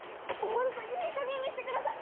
ホントいいかげんにしてください！